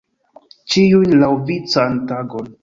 Ĉiun laŭvican tagon.